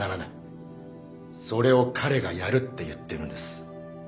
それを彼がやるって言ってるんです。